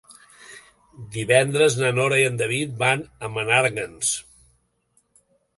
Divendres na Nora i en David van a Menàrguens.